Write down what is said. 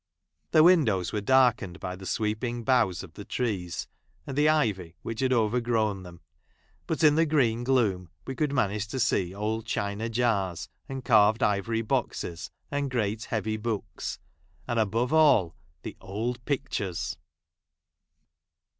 The Ij windows were darkened by the sweeping !! boughs of the trees, and the ivy which had 'j overgrown them : but, in the green gloom, we m could manage to see old China jars and [! carved ivory boxes, and great heavy books, i I and, above all, the old pictures